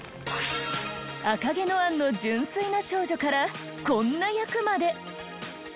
『赤毛のアン』の純粋な少女からこんな役まで。